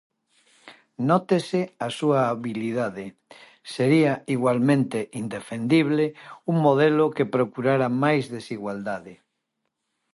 Nótese a súa habilidade: sería igualmente indefendible un modelo que procurara máis desigualdade.